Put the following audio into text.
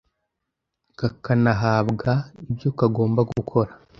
kakanahabwa ibyo kagomba gukora